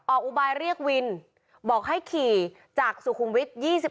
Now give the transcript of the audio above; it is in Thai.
อุบายเรียกวินบอกให้ขี่จากสุขุมวิทย์๒๔